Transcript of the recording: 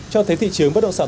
cho thấy thị trường bất động sản